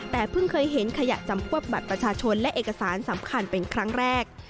แต่เพิ่งเคยเห็นขยะจำพวกบัตรประชาชนและเอกสารสำคัญเป็นครั้งแรก